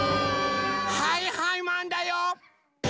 はいはいマンだよ！